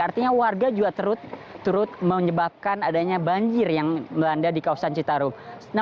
artinya warga juga turut menyebabkan adanya banjir yang melanda di kawasan citarum